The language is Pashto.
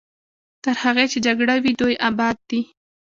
تر هغې چې جګړه وي دوی اباد دي.